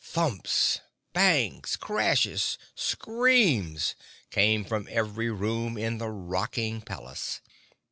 Thumps—bangs—crashes—screams came from every room in the rocking palace.